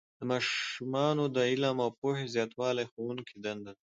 د ماشومانو د علم او پوهې زیاتول د ښوونکو دنده ده.